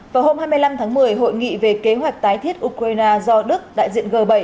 vào hôm hai mươi năm tháng một mươi hội nghị về kế hoạch tái thiết ukraine do đức đại diện g bảy